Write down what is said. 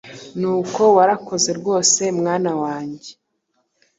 Nuko warakoze rwose mwana wange !